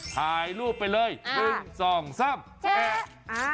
ถ่ายรูปไปเลย๑๒๓แชร์